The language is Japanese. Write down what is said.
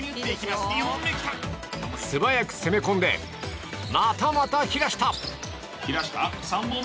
素早く攻め込んでまたまた平下！